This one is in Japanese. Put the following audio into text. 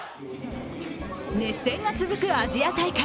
熱戦が続くアジア大会。